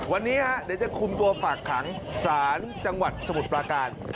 วันนี้เดี๋ยวจะคุมตัวฝากขังศาลจังหวัดสมุทรปราการ